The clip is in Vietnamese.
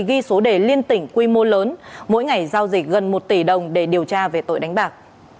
ghi số đề liên tỉnh quy mô lớn mỗi ngày giao dịch gần một tỷ đồng để điều tra về tội đánh bạc